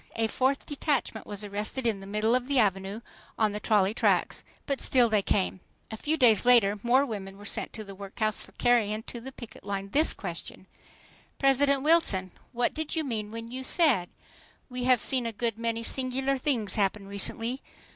A fourth detachment was arrested in the middle of the Avenue on the trolley tracks. But still they came. A few days later more women were sent to the workhouse for carrying to the picket line this question: "President Wilson, what did you mean when you said: 'We have seen a good many singular things happen recently.